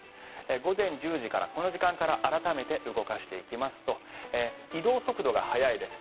午前１０時から改めて動かしていきますと移動速度が速いです。